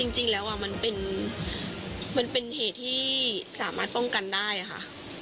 จริงแล้วมันเป็นเหตุที่สามารถป้องกันได้ค่ะ